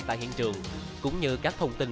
tại hiện trường cũng như các thông tin